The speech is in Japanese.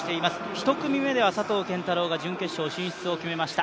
１組目には佐藤拳太郎が準決勝進出を決めました。